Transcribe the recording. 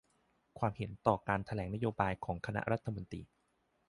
ความเห็นต่อการแถลงนโยบายของคณะรัฐมนตรี